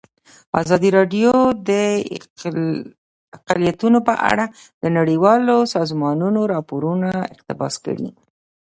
ازادي راډیو د اقلیتونه په اړه د نړیوالو سازمانونو راپورونه اقتباس کړي.